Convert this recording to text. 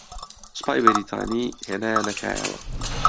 سوپای بەریتانی ھێنایانە کایەوە